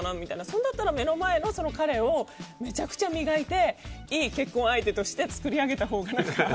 それだったら目の前の彼をめちゃくちゃ磨いていい結婚相手として作り上げたほうが。